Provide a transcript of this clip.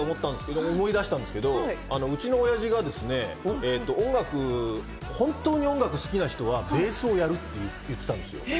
今、思い出したんですけど、うちの親父が本当に音楽好きな人はベースをやるって言ってたんですよ。